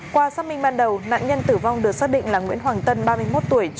qua xác minh ban đầu nạn nhân tử vong được xác định là nguyễn hoàng tân ba mươi một tuổi